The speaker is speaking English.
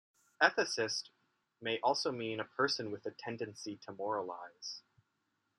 "Ethicist" may also mean a person with a tendency to moralize.